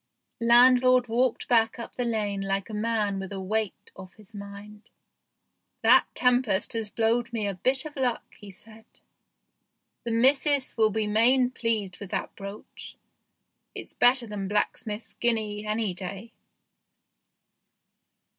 Landlord walked back up the lane like a man with a weight off his mind. " That tempest has blowed me a bit of luck," he said ;" the missus will be main pleased with that brooch. It's better than blacksmith's guinea, any day."